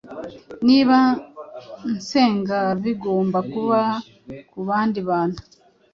Niba nsenga bigomba kuba kubandi bantu.